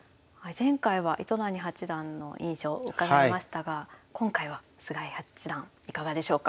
前回は糸谷八段の印象を伺いましたが今回は菅井八段いかがでしょうか？